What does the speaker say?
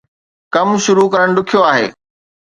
ڪم شروع ڪرڻ ڏکيو آهي